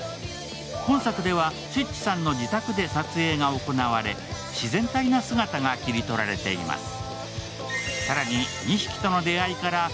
今作ではチッチさんの自宅で撮影が行われ自然体な姿が切り取られています。